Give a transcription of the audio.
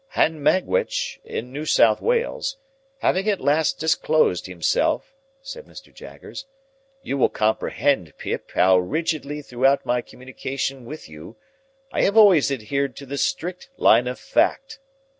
"And Magwitch—in New South Wales—having at last disclosed himself," said Mr. Jaggers, "you will comprehend, Pip, how rigidly throughout my communication with you, I have always adhered to the strict line of fact.